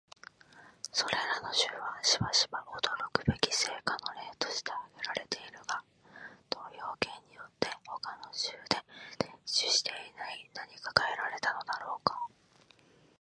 それらの州はしばしば驚くべき成果の例として挙げられるが、投票権によって他の州で享受していない何かが得られたのだろうか？